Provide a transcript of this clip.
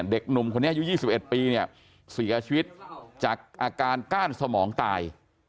เด็กหนุ่มคนนี้อายุ๒๑ปีเนี่ยเสียชีวิตจากอาการก้านสมองตาย